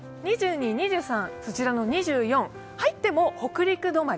２２、２３、２４、入っても北陸止まり。